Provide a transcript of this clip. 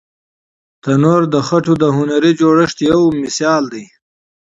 تنور د خټو د هنري جوړښت یوه بېلګه ده